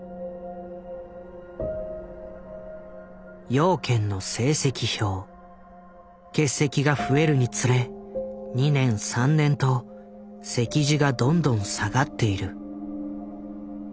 養賢の成績表。欠席が増えるにつれ２年３年と席次がどんどん下がっている。